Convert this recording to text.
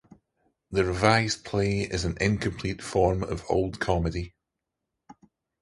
The revised play is an incomplete form of Old Comedy.